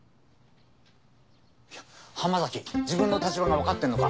浜崎自分の立場がわかってるのか？